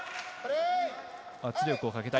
圧力をかけたい。